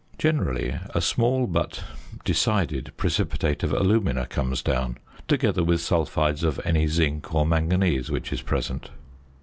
Generally a small, but decided, precipitate of alumina comes down, together with sulphides of any zinc or manganese which is present.